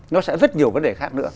nó sẽ rất nhiều vấn đề khác nữa